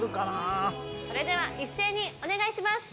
それでは一斉にお願いします